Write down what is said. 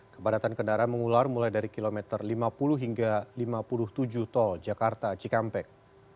kepadatan kendaraan mengular mulai dari kilometer lima puluh hingga lima puluh tujuh tol jakarta cikampek